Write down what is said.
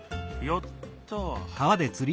よっと！